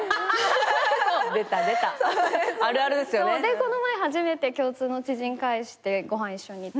この前初めて共通の知人介してご飯一緒に食べて。